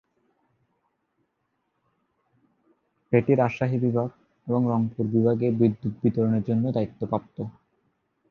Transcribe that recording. এটি রাজশাহী বিভাগ এবং রংপুর বিভাগে বিদ্যুৎ বিতরণের জন্য দায়িত্বপ্রাপ্ত।